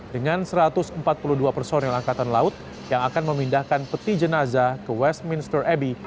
dengan satu ratus empat puluh dua personil angkatan laut yang akan memindahkan peti jenazah ke westminster abbey